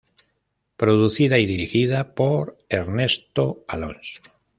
Producida y dirigida por Ernesto Alonso.